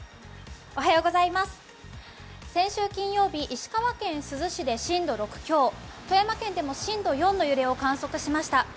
先週金曜日、石川県珠洲市で震度６強、富山県でも震度４の揺れを観測しました。